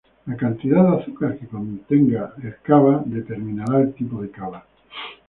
La cantidad de azúcar que contenga el cava determinará el tipo de cava.